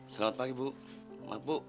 selamat pagi bu